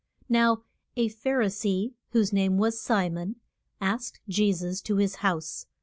Now a Phar i see, whose name was Si mon, asked Je sus to his house.